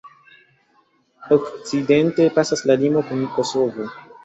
Okcidente pasas la limo kun Kosovo.